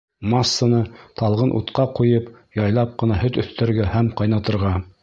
Массаны талғын утҡа ҡуйып, яйлап ҡына һөт өҫтәргә һәм ҡайнатырға.